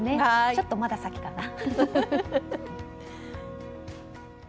ちょっとまだ先かな。